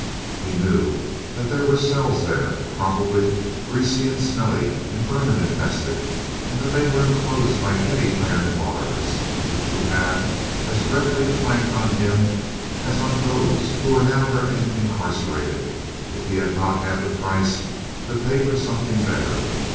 He knew that there were cells there, probably greasy and smelly and vermin infested, and that they were enclosed by heavy iron bars, which would have as readily clanked on him as on those who were now therein incarcerated if he had not had the price to pay for something better.